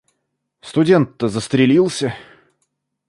— Студент-то застрелился.